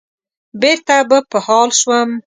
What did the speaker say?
بېرته به په حال شوم.